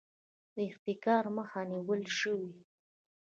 د احتکار مخه نیول شوې؟